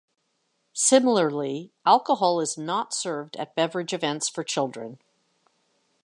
Similarly, alcohol is not served at beverage events for children.